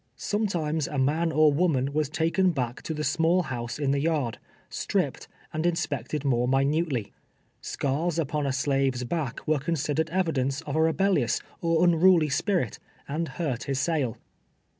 Sumetinies a man or woman was taken l)ack to the small house in the yard, stripped, and in spected more minutely. Scars upon a slave's back were considered evidence of a rebellious or unruly Bl^irit, and hurt his sale.